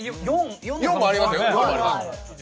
４もありますよね。